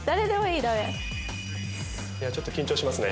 いやちょっと緊張しますね。